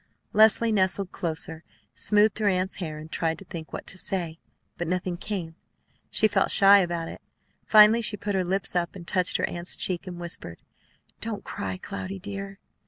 Leslie nestled closer, smoothed her aunt's hair, and tried to think what to say; but nothing came. She felt shy about it. Finally she put her lips up, and touched her aunt's cheek, and whispered, "Don't cry, Cloudy dear!"